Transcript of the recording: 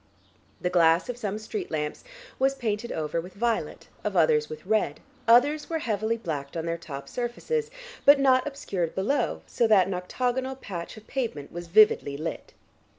The glass of some street lamps was painted over with violet, of others with red; others were heavily blacked on their top surfaces but not obscured below, so that an octagonal patch of pavement was vividly lit.